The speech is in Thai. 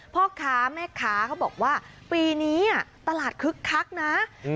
พ่อค้าแม่ค้าเขาบอกว่าปีนี้ตลาดคึกคักนะ